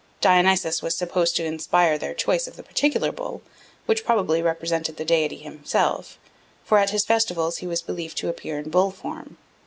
Dionysus was supposed to inspire their choice of the particular bull, which probably represented the deity himself; for at his festivals he was believed to appear in bull form.